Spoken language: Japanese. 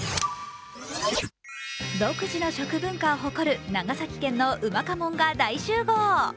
独自の食文化を誇る長崎県のうまかもんが大集合。